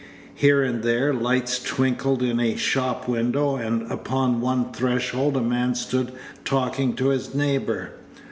Here and there lights twinkled in a shop window, and upon one threshold a man stood talking to his neighbor.